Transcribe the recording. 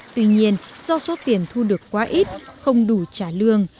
tuy nhiên do số tiền thu được quá ít không đủ trả lương